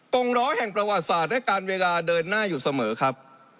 งล้อแห่งประวัติศาสตร์และการเวลาเดินหน้าอยู่เสมอครับ